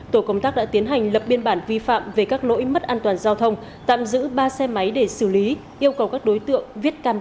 tổ công tác đã tiến hành lập biên bản vi phạm về các lỗi mất an toàn giao thông tạm giữ ba xe máy để xử lý yêu cầu các đối tượng viết cam